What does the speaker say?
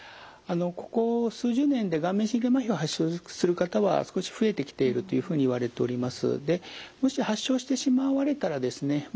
ここ数十年で顔面神経まひを発症する方は少し増えてきているというふうにいわれております。